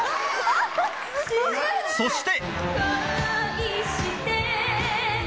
そして